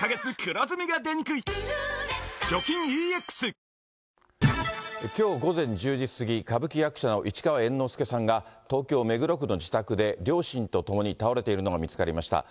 トーンアップ出たきょう午前１０時過ぎ、歌舞伎役者の市川猿之助さんが東京・目黒区の自宅で、両親と共に倒れているのが見つかりました。